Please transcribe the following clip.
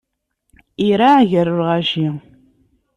Iraε gar lɣaci.